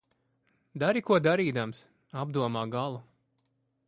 Dari ko darīdams, apdomā galu.